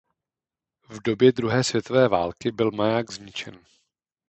V době druhé světové války byl maják zničen.